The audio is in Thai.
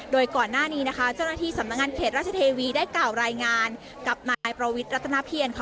โดยก่อนหน้านี้นะคะเจ้าหน้าที่สำนักงานเขตราชเทวีได้กล่าวรายงานกับนายประวิทย์รัฐนาเพียรค่ะ